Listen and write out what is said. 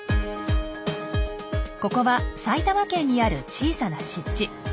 ここは埼玉県にある小さな湿地。